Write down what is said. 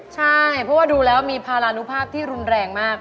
ใช่เพราะว่าดูแล้วมีพารานุภาพที่รุนแรงมาก